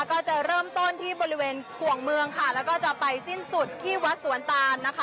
ก็จะเริ่มต้นที่บริเวณขวงเมืองค่ะแล้วก็จะไปสิ้นสุดที่วัดสวนตานนะคะ